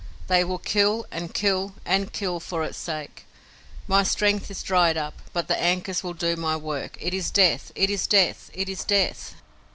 They will kill, and kill, and kill for its sake! My strength is dried up, but the ankus will do my work. It is Death! It is Death! It is Death!"